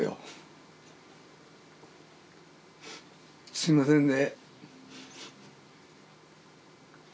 すいませんね。